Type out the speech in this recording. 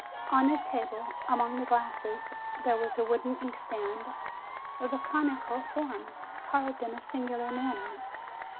On his table, among the glasses, there was a wooden inkstand, of a conical form, carved in a singular manner.